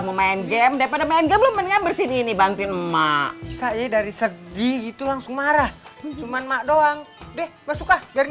main game depan main game bersih ini bantuin emak dari segi itu langsung marah cuman mak doang